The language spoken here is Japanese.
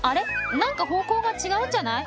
何か方向が違うんじゃない？